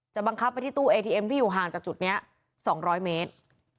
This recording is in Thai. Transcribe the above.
บังคับไปที่ตู้เอทีเอ็มที่อยู่ห่างจากจุดนี้๒๐๐เมตร